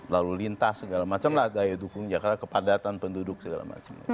lalu lintas segala macam lah daya dukung jakarta kepadatan penduduk segala macam